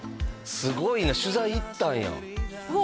すごいな取材行ったんやうわ